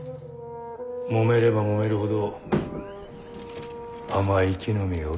もめればもめるほど甘い木の実が落ちてくる。